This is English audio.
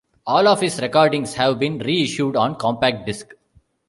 All of his recordings have been reissued on compact disc.